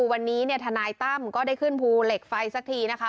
วันนี้ทนายตั้มก็ได้ขึ้นภูเหล็กไฟสักทีนะคะ